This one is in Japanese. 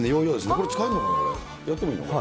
これ、使えるのかな、やってもいいのかな。